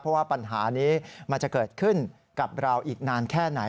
เพราะว่าปัญหานี้มันจะเกิดขึ้นกับเราอีกนานแค่ไหน